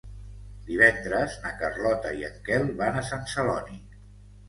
Divendres na Carlota i en Quel van a Sant Celoni.